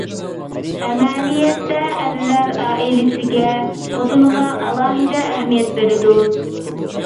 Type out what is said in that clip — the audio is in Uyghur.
ئەمەلىيەتتە ئەرلەر ئائىلىسىگە، خوتۇنىغا ئالاھىدە ئەھمىيەت بېرىدۇ.